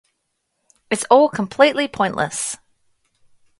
It's all completely pointless!